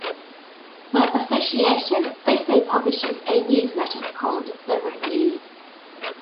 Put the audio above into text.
The Association also publishes a newsletter called the Review.